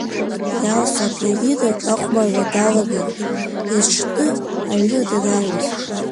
Иалса апионинаҿ ахәмарра далагеит есҽны аҩны данааиуаз.